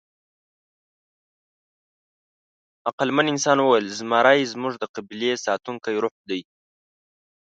عقلمن انسان وویل: «زمری زموږ د قبیلې ساتونکی روح دی».